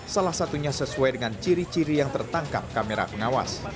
salah satunya sesuai dengan ciri ciri yang tertangkap kamera pengawas